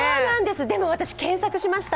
でも私、検索しました。